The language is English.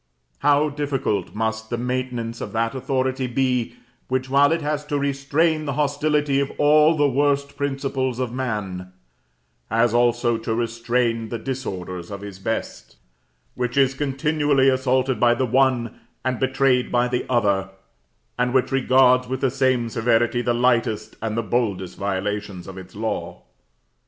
How difficult must the maintenance of that authority be, which, while it has to restrain the hostility of all the worst principles of man, has also to restrain the disorders of his best which is continually assaulted by the one, and betrayed by the other, and which regards with the same severity the lightest and the boldest violations of its law!